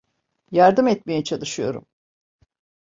Yardım etmeye çalışıyorum.